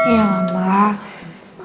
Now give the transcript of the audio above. ya lah mbak